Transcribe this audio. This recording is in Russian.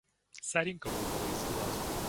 Соринка выпала из глазу.